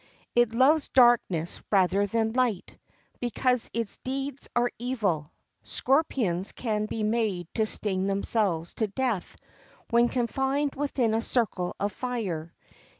It loves darkness rather than light, because its deeds are evil. Scorpions can be made to sting themselves to death when confined within a circle of fire.